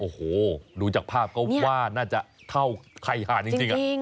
โอ้โหดูจากภาพก็ว่าน่าจะเท่าไข่หาดจริง